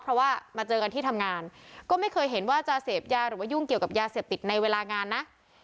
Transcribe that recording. เพราะว่ามาเจอกันที่ทำงานก็ไม่เคยเห็นว่าจะเสพยาหรือว่ายุ่งเกี่ยวกับยาเสพติดในเวลางานนะ